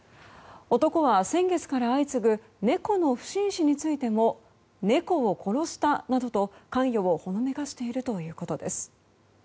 男は先月から相次ぐ猫の不審死についても猫を殺したなどと関与をほのめかしているということです。